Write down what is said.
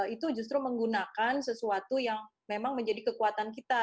itu justru menggunakan sesuatu yang memang menjadi kekuatan kita